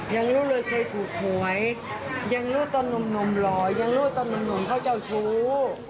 ยังรู้เลยเคยถูกหวยยังรู้ตอนหนุ่มหล่อยังรู้ตอนหนุ่มเขาเจ้าชู้